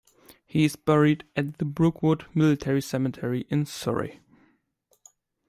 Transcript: He is buried at the Brookwood Military Cemetery in Surrey.